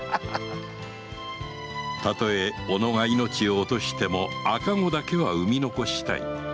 たとえ己が命を落としても赤子だけは産み残したい